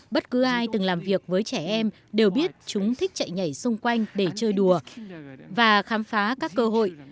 bất cứ ai từng làm việc với trẻ em đều biết chúng thích chạy nhảy xung quanh để chơi đùa và khám phá các cơ hội